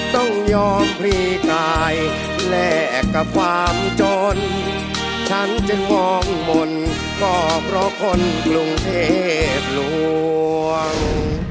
ต้องยอมพรีกายแลกกับความจนฉันจึงมองบนก็เพราะคนกรุงเทพลวง